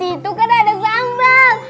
di situ kan ada sambal